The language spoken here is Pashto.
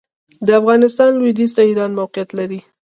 د افغانستان لوېدیځ ته ایران موقعیت لري.